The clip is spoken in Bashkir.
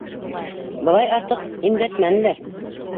Былай, артыҡ имгәтмәнеләр.